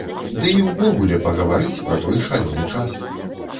Ды і ўвогуле, пагаварыць пра той шалёны час.